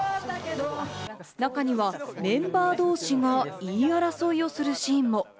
中にはメンバー同士が言い争いをするシーンも。